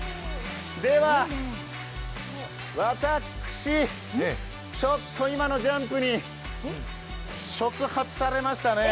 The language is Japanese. では私ちょっと今のジャンプに触発されましたね。